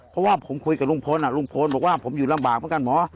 เพราะว่าผมคุยกับลุงพลลุงพลบอกว่าผมอยู่ลำบากเหมือนกันหมอ